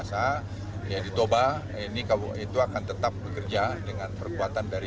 yang ada di toba itu akan tetap bekerja dengan perkuatan dari